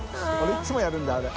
いつもやるんだあれ。